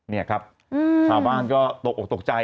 นี่ครับชาวบ้านก็ตกออกตกใจ